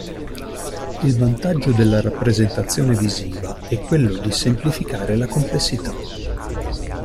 Il vantaggio della rappresentazione visiva è quello di semplificare la complessità.